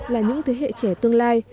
là những thế hệ trẻ tương lai